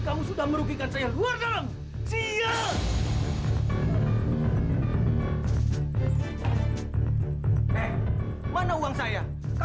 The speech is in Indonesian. kamu sudah merugikan saya luar gaya